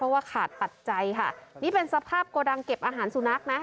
เพราะว่าขาดปัจจัยค่ะนี่เป็นสภาพโกดังเก็บอาหารสุนัขนะ